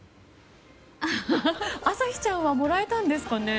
あさひちゃんはもらえたんですかね。